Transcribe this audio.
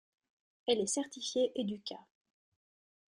Elle est certifiée EduQua.